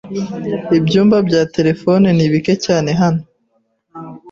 Ibyumba bya terefone ni bike cyane hano.